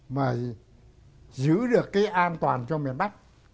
mà giữ được cái an toàn cho miền bắc